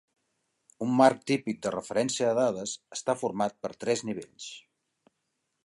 Un marc típic de referència de dades està format per tres nivells.